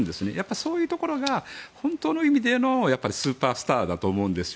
そういうところが本当の意味でのスーパースターだと思うんですよ。